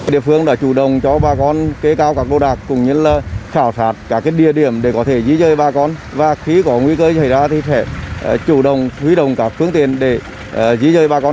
địa phương đã chủ động cho bà con kế cao các lô đạc cùng những lơ khảo sát các địa điểm để có thể di chơi bà con